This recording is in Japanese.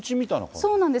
そうなんです。